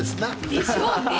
でしょうね。